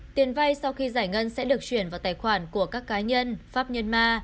tiền vay sau khi giải ngân sẽ được chuyển vào tài khoản của các cá nhân pháp nhân ma